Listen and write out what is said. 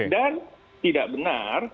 dan tidak benar